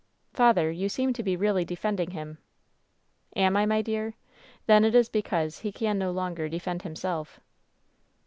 " Tather, you seem to be really defending him.* ^' *Am I, my dear ? Then it is because he can no longer defend himself.'